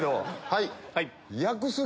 はい！